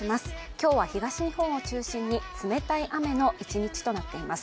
今日は東日本中心に冷たい雨の一日となっています。